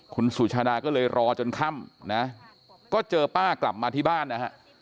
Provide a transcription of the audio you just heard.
คุณสุชาดาก็เลยรอจนค่ำนะก็เจอป้ากลับมาที่บ้านนะฮะ